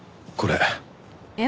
これ。